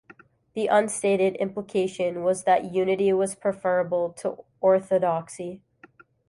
The unstated implication was that unity was preferable to orthodoxy.